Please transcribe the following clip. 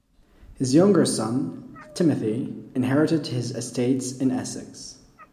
His younger son, Timothy, inherited his estates in Essex.